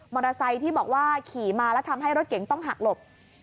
ที่บอกว่าขี่มาแล้วทำให้รถเก๋งต้องหักหลบ